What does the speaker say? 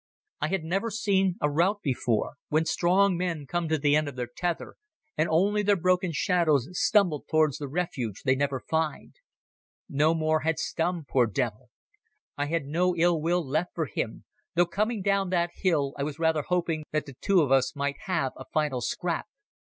I had never seen a rout before, when strong men come to the end of their tether and only their broken shadows stumble towards the refuge they never find. No more had Stumm, poor devil. I had no ill will left for him, though coming down that hill I was rather hoping that the two of us might have a final scrap.